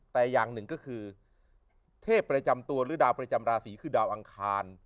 แต่อย่างหนึ่งก็คือเทพประจำตัวหรือดาวประจำราศีคือดาวอังคาร